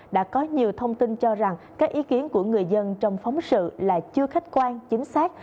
đã có nhiều thông tin cho rằng các ý kiến của người dân trong phóng sự là chưa khách quan chính xác